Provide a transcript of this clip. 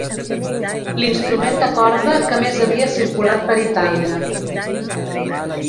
L'instrument de corda que més havia circulat per Itàlia.